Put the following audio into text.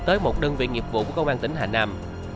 tới một đơn vị nghiệp vụ của công an tỉnh hà nam